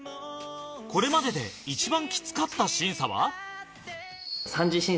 これまでで一番きつかった審査は？